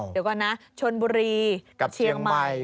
เดี๋ยวก่อนนะชนบุรีกับเชียงใหม่